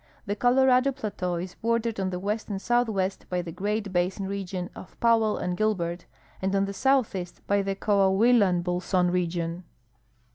The Colorado plateau is h»ordered on the w'est and southwest by the Great Basin region of Powell and Gilbert, and on the southeast by the Coahuilan bolson region.